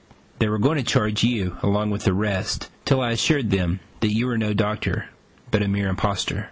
They were going to charge you along with the rest, till I assured them that you were no doctor, but a mere impostor."